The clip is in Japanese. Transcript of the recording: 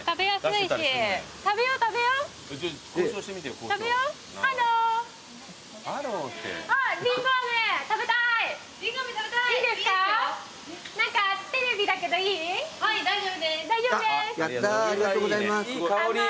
いい香り。